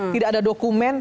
tidak ada dokumen